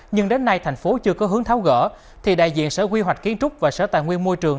nhưng đến nay thành phố chưa có hướng tháo gỡ thì đại diện sở quy hoạch kiến trúc và sở tài nguyên môi trường